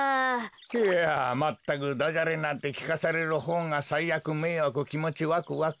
いやまったくダジャレなんてきかされるほうがさいあくめいわくきもちワクワク。